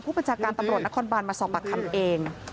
บัญชาการตำรวจนครบานมาสอบปากคำเอง